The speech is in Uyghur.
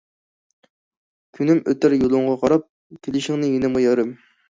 كۈنۈم ئۆتەر يولۇڭغا قاراپ، كېلىشىڭنى يېنىمغا يارىم.